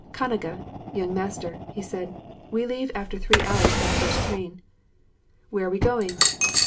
"Khanage (young master)," he said, "we leave after three hours by the first train." "Where are we going?"